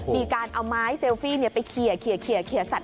มีการเอาไม้เซลฟี่ไปเคลียร์สัตว